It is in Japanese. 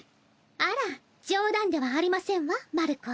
あら冗談ではありませんわマルコ。